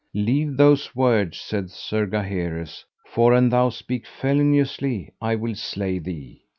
Leave those words, said Sir Gaheris, for an thou speak feloniously I will slay thee.